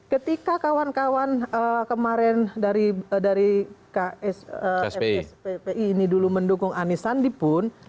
ketika kawan kawan kemarin dari kspi ini dulu mendukung anies sandipun